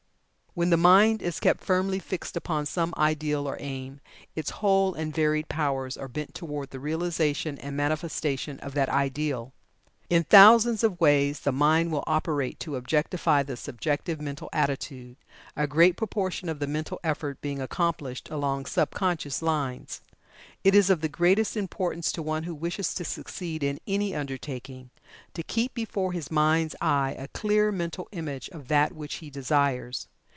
When the mind is kept firmly fixed upon some ideal or aim, its whole and varied powers are bent toward the realization and manifestation of that ideal. In thousands of ways the mind will operate to objectify the subjective mental attitude, a great proportion of the mental effort being accomplished along sub conscious lines. It is of the greatest importance to one who wishes to succeed in any undertaking, to keep before his mind's eye a clear mental image of that which he desires.